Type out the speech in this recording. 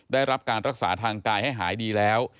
ได้รับการรักษาทางกายให้หายดีแล้ว